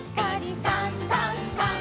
「さんさんさん」